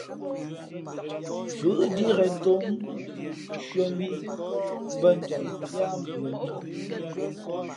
Fʉ̌ ndíʼ ghěn tōm, nshʉᾱ bī bᾱ njam píá mbʉα mǐ.